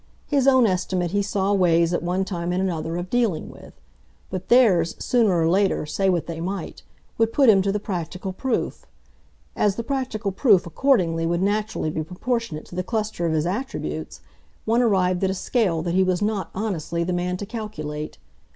His own estimate he saw ways, at one time and another, of dealing with: but theirs, sooner or later, say what they might, would put him to the practical proof. As the practical proof, accordingly, would naturally be proportionate to the cluster of his attributes, one arrived at a scale that he was not, honestly, the man to calculate.